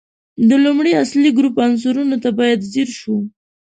د لومړي اصلي ګروپ عنصرونو ته باید ځیر شو.